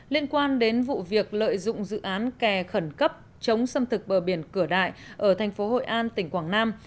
liên quan đến vụ việc lợi dụng dự án kè khẩn cấp chống xâm thực bờ biển cửa đại ở thành phố hội an tỉnh quảng nam